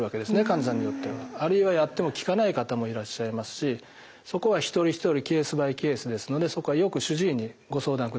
患者さんによっては。あるいはやっても効かない方もいらっしゃいますしそこは一人一人ケースバイケースですのでよく主治医にご相談ください。